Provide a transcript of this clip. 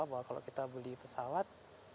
bahwa kalau kita beli pesawat